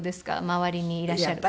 周りにいらっしゃる方。